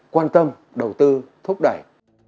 quan tâm đầu tư thúc đẩy